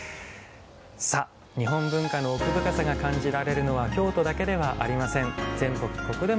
さあ日本文化の奥深さが感じられるのは京都だけではありません。